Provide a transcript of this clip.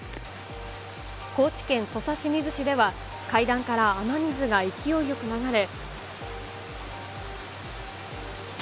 高知県土佐清水市では、階段から雨水が勢いよく流れ。